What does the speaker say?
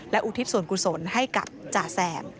และองคิดส่วนกุศลให้กับจ่าแสง